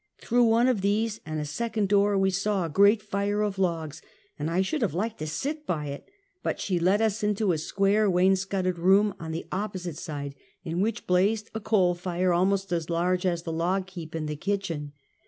Through one of these and a second door we saw a great lire of logs, and I should have liked to sit by it, but she led us into a square wainscotted room on the opposite side, in which blazed a coal fire almost as large as the log heap in the kitchen.